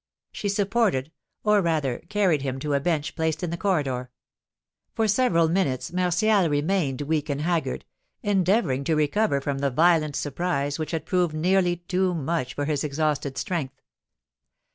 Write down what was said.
She supported, or, rather, carried him to a bench placed in the corridor. For several minutes Martial remained weak and haggard, endeavouring to recover from the violent surprise which had proved nearly too much for his exhausted strength.